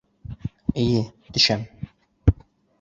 Эйе, төшәм!